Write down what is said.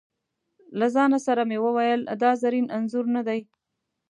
له ځانه سره مې وویل: دا زرین انځور نه دی.